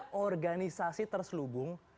kalo ada organisasi terselubung